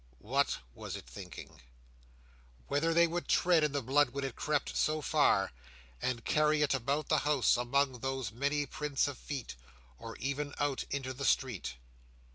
What was it thinking? Whether they would tread in the blood when it crept so far, and carry it about the house among those many prints of feet, or even out into the street.